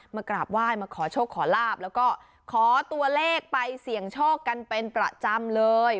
กราบไหว้มาขอโชคขอลาบแล้วก็ขอตัวเลขไปเสี่ยงโชคกันเป็นประจำเลย